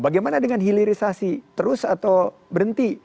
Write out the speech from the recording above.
bagaimana dengan hilirisasi terus atau berhenti